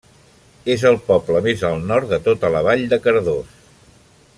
És el poble més al nord de tota la Vall de Cardós.